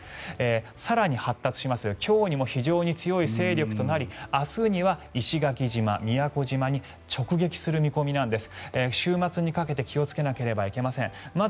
更に発達しまして今日にも非常に強い勢力となり明日には宮古島、石垣島に直撃する見込みなんです。